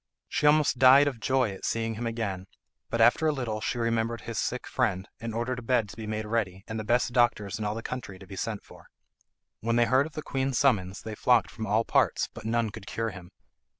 She almost died of joy at seeing him again, but after a little she remembered his sick friend, and ordered a bed to be made ready and the best doctors in all the country to be sent for. When they heard of the queen's summons they flocked from all parts, but none could cure him.